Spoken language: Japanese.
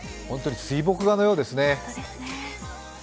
本当に水墨画のようですね。